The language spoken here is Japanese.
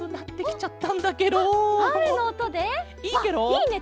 いいね！